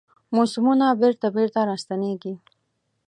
موسمونه بیرته، بیرته راستنیږي